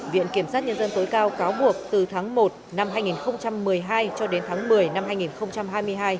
viện kiểm sát nhân dân tối cao cáo buộc từ tháng một năm hai nghìn một mươi hai cho đến tháng một mươi năm hai nghìn hai mươi hai